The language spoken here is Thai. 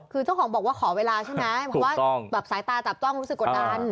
คือเจ้าของบอกว่าขอเวลาใช่ไหมสายตาจับต้องรู้สึกกดอัน